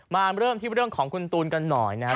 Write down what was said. มาเริ่มที่เรื่องของคุณตูนกันหน่อยนะครับ